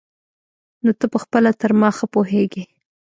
نو ته پخپله تر ما ښه پوهېږي.